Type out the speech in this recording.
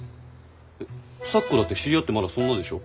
えっ咲子だって知り合ってまだそんなでしょ？